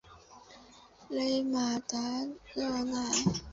勒马达热奈。